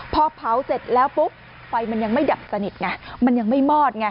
พอเผาเสร็จแล้วปุ๊บไฟมันยังไม่ดับสนิทไงมันยังไม่มอดไง